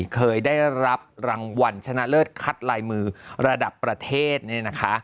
เคยได้รับรางวัลชนะเลิศคัดลายมือระดับประเทศเนี่ยนะคะ